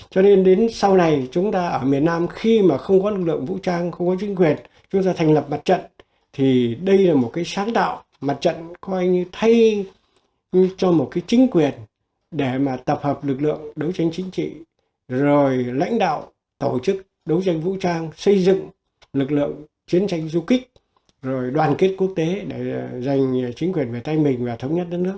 cho nên đến sau này chúng ta ở miền nam khi mà không có lực lượng vũ trang không có chính quyền chúng ta thành lập mặt trận thì đây là một cái sáng tạo mặt trận coi như thay cho một cái chính quyền để mà tập hợp lực lượng đấu tranh chính trị rồi lãnh đạo tổ chức đấu tranh vũ trang xây dựng lực lượng chiến tranh du kích rồi đoàn kết quốc tế để giành chính quyền về tay mình và thống nhất đất nước